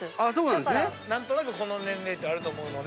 何となくこの年齢とあると思う。